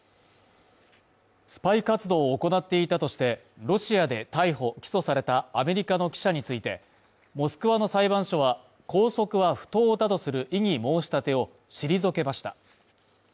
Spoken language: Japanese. スパイ活動を行っていたとして、ロシアで逮捕、起訴されたアメリカの記者についてモスクワの裁判所は拘束は不当だとする異議申し立てを退けました。